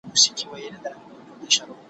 گيدړي تې ويل، شاهد دي څوک دئ، ول لکۍ مي.